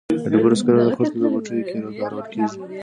د ډبرو سکاره د خښتو په بټیو کې کارول کیږي